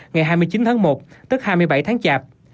ngày hai mươi chín tháng một tức hai mươi bảy tháng chạp